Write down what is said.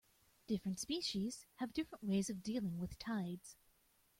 Different species have different ways of dealing with tides.